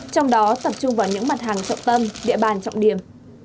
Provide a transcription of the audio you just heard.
trong đó tập trung vào những mặt hàng trọng tâm địa bàn trọng điểm